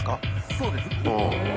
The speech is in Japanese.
そうです。